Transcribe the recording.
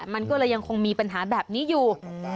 มันก็เลยยังคงมีปัญหาแบบนี้อยู่